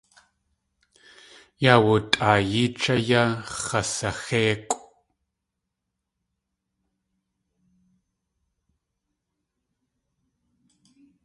Yawutʼaayéech áyá, x̲asaxéikʼw.